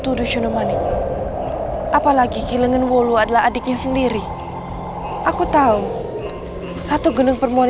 untuk memberikan pelajaran kepada semtonggoro